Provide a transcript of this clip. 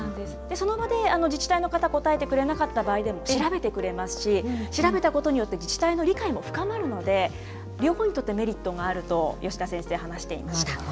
その場で自治体の方、答えてくれなかった場合でも、調べてくれますし、調べたことによって、自治体の理解も深まるので、両方にとってメリットがあると吉田先生、話していました。